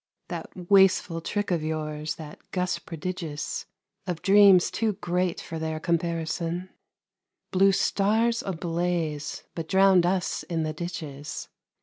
That wasteful trick of yours, that gust prodigious Of dreams too great for their comparison, Blew stars ablaze, but drowned us in the ditches.